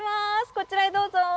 こちらへどうぞ。